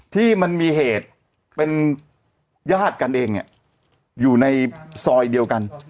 ที่มันมีเหตุเป็นญาติกันเองอยู่ในซอยเดียวกัน